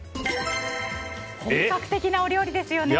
本格的なお料理ですよね。